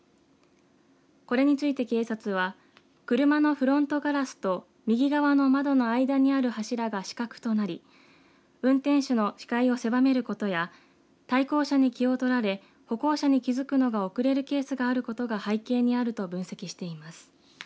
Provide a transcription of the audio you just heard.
これについて警察は車のフロントガラスと右側の窓の間にある柱が死角となり運転手の視界を狭めることや対向車に気を取られ歩行者に気付くのが遅れるケースがあることが背景にあると分析しています。